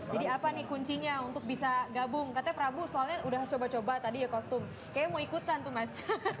jadi apa nih kuncinya untuk bisa gabung katanya prabu soalnya udah coba coba tadi ya kostum kayaknya mau ikutan tuh mas